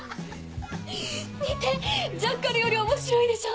見てジャッカルより面白いでしょ？